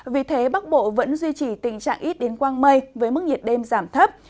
vì thế bắc bộ vẫn duy trì tình trạng ít đến quang mây với mức nhiệt đêm giảm thấp